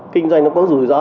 kinh doanh nó có rủi ro